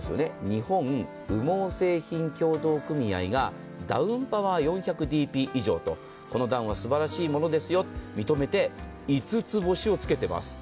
日本羽毛製品協同組合が、ダウンパワー４００ｄｐ以上とこのダウンはすばらしいものですよと認めて、５つ星をつけています。